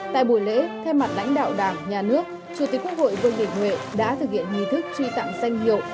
tại buổi lễ theo mặt lãnh đạo đảng nhà nước chủ tịch quốc hội vân định huệ đã thực hiện nghị thức truy tặng danh hiệu